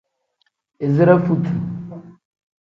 Izire futi.